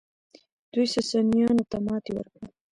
دوی ساسانیانو ته ماتې ورکړه